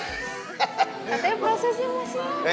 katanya prosesnya masih